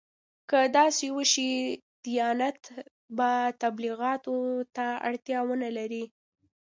که داسې وشي دیانت به تبلیغاتو ته اړتیا ونه لري.